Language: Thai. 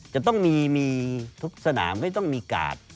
จะต้องมีทุกสนามไม่ต้องมีกาด